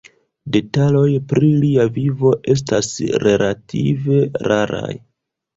Detaloj pri lia vivo estas relative raraj.